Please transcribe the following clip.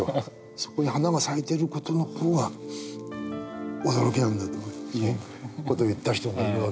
そこに花が咲いてる事の方が驚きなんだという事を言った人がいる訳。